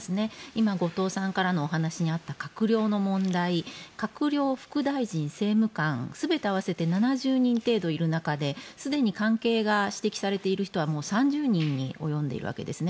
今、後藤さんからのお話にあった閣僚の問題閣僚、副大臣、政務官全て合わせて７０人程度いる中ですでに関係が指摘されている人は３０人に及んでいるわけです。